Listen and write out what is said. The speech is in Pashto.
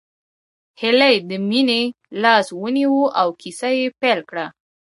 هيلې د مينې لاس ونيو او کيسه يې پيل کړه